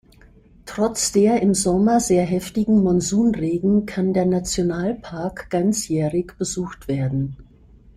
Trotz der im Sommer sehr heftigen Monsunregen kann der Nationalpark ganzjährig besucht werden.